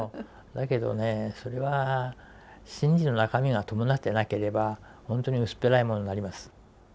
だけどねそれは審理の中身が伴ってなければほんとに薄っぺらいものになります。